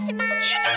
やった！